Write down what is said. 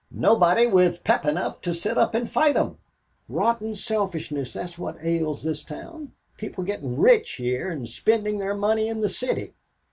Nobody with pep enough to sit up and fight 'em. Rotten selfishness, that's what ails this town. People getting rich here and spending their money in the city.